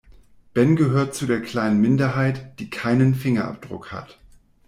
Ben gehört zu der kleinen Minderheit, die keinen Fingerabdruck hat.